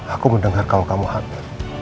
aku mendengar kamu kamu hati